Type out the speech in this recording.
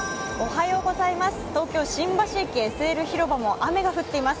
東京・新橋駅ＳＬ広場も雨が降っています。